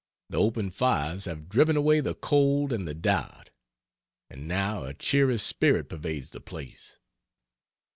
The open fires have driven away the cold and the doubt, and now a cheery spirit pervades the place.